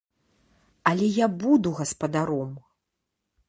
Але я буду гаспадаром!